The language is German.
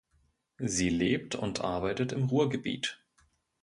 Sie lebt und arbeitet im Ruhrgebiet.